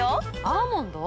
アーモンド？